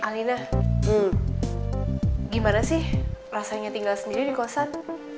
alina gimana sih rasanya tinggal sendiri di kosan